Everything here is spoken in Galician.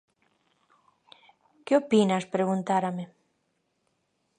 Que opinas?, preguntárame.